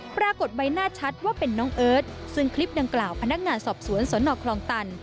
ปรากฏใบหน้าชัดว่าเป็นน้องเอิร์ทซึ่งคลิปดังกล่าวพนักงานสอบสวนสนคลองตัน